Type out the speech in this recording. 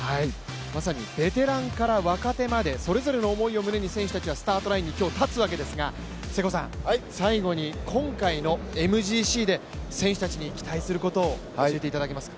まさにベテランから若手まで、それぞれの思いを胸に選手たちはスタートラインに今日、立つわけですが、瀬古さん、最後に今回のＭＧＣで選手たちに期待することを教えていただけますか？